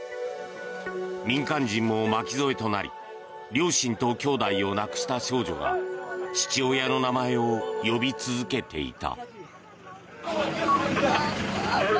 民間人も巻き添えとなり両親ときょうだいを亡くした少女が父親の名前を呼び続けていた。